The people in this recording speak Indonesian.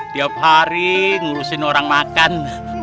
tiap hari ngurusin orang makan